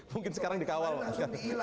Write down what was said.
mungkin sekarang dikawal